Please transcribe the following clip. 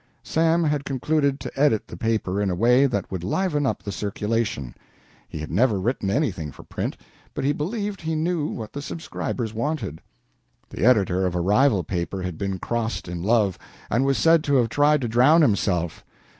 Sam had concluded to edit the paper in a way that would liven up the circulation. He had never written anything for print, but he believed he knew what the subscribers wanted. The editor of a rival paper had been crossed in love, and was said to have tried to drown himself.